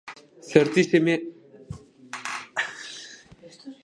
Zortzi seme-alaba helduarora iritsi ziren.